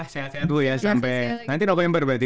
semoga ibu sehat sehat